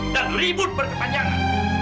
dan ribut berkepanjangan